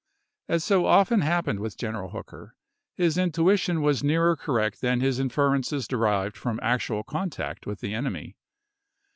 As so often happened with General Hooker, his intuition was nearer correct than his inferences derived from actual contact with the enemy.